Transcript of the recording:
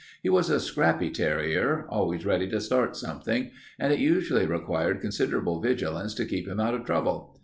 He was a scrappy terrier, always ready to start something, and it usually required considerable vigilance to keep him out of trouble.